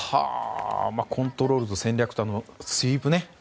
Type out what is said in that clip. コントロールと戦略とスイープね。